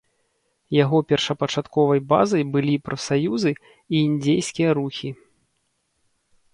Яго першапачатковай базай былі прафсаюзы і індзейскія рухі.